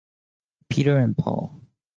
Peter and Paul.